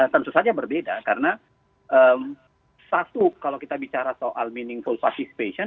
tentu saja berbeda karena satu kalau kita bicara soal meaningful participation